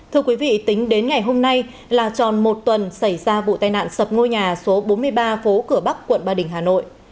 thưa quý vị tính đến ngày hôm nay là tròn một tuần xảy ra vụ tai nạn sập ngôi nhà số bốn mươi ba phố cửa bắc quận ba đình hà nội